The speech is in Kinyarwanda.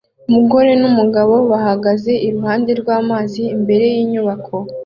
Umugore numugabo bahagaze iruhande rwamazi imbere yinyubako